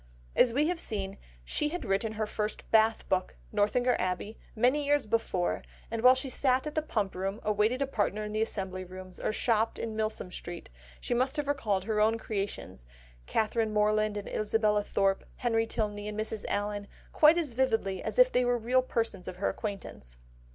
As we have seen, she had written her first Bath book, Northanger Abbey, many years before, and while she sat in the Pump Room, awaited a partner in the Assembly Rooms, or shopped in Milsom Street, she must have recalled her own creations, Catherine Morland and Isabella Thorpe, Henry Tilney and Mrs. Allen, quite as vividly as if they were real persons of her acquaintance.